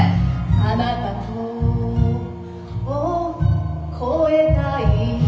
「あなたと越えたい」